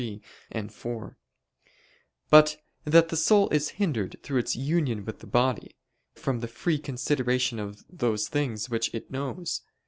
3, 4); but that the soul is hindered, through its union with the body, from the free consideration of those things which it knows.